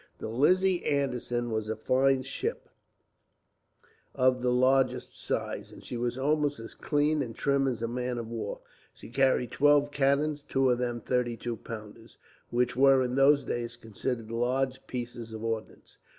The Lizzie Anderson was a fine ship, of the largest size, and she was almost as clean and trim as a man of war. She carried twelve cannon, two of them thirty two pounders, which were in those days considered large pieces of ordnance.